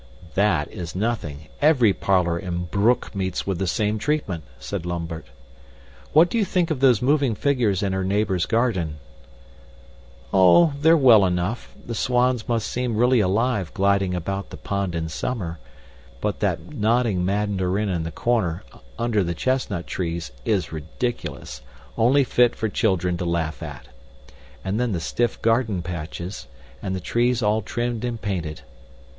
"That is nothing. Every parlor in Broek meets with the same treatment," said Lambert. "What do you think of those moving figures in her neighbor's garden?" "Oh, they're well enough; the swans must seem really alive gliding about the pond in summer; but that nodding mandarin in the corner, under the chestnut trees, is ridiculous, only fit for children to laugh at. And then the stiff garden patches, and the trees all trimmed and painted.